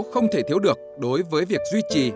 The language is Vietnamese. không thể thiếu được đối với việc duy trì